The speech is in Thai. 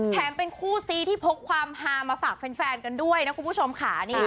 เป็นคู่ซีที่พกความฮามาฝากแฟนกันด้วยนะคุณผู้ชมค่ะ